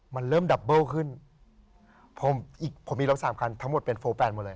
มันเริ่มดับเบิ้ลขึ้นผมอีกผมมีรถสามคันทั้งหมดเป็นโฟร์แฟนหมดเลย